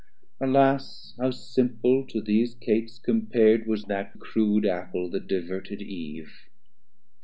Alas how simple, to these Cates compar'd, Was that crude Apple that diverted Eve!